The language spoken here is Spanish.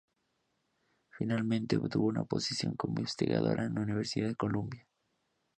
Finalmente obtuvo una posición como investigadora en la Universidad de Columbia.